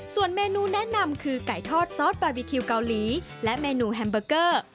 ส่วนเมนูแนะนำคือไก่ทอดซอสบาร์บีคิวเกาหลีและเมนูแฮมเบอร์เกอร์